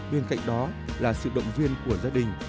bên cạnh đó là sự động viên của gia đình